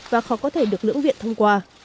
và khó có thể được lưỡng viện thông qua